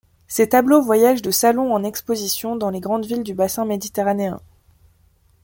Ses tableaux voyagent de salons en expositions dans les grandes villes du bassin méditerranéen.